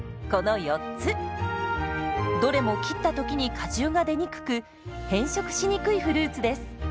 どれも切った時に果汁が出にくく変色しにくいフルーツです。